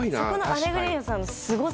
『アレグリア』さんのすごさです。